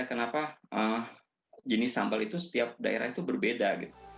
kenapa jenis sambal itu setiap daerah itu berbeda